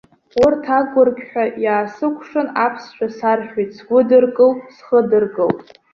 Урҭ агәырқьҳәа иаасыкәшан, аԥсшәа сарҳәеит, сгәыдыркылт-схыдыркылт.